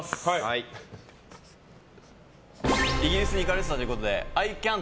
イギリスに行かれてたということでＩｃａｎ